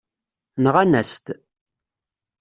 Nɣan-as-t.